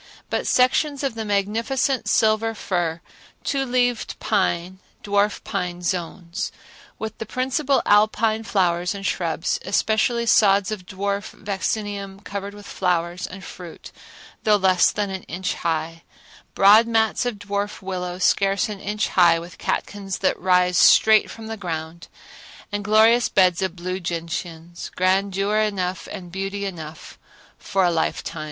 but sections of the magnificent silver fir, two leaved pine, and dwarf pine zones; with the principal alpine flowers and shrubs, especially sods of dwarf vaccinium covered with flowers and fruit though less than an inch high, broad mats of dwarf willow scarce an inch high with catkins that rise straight from the ground, and glorious beds of blue gentians,—grandeur enough and beauty enough for a lifetime.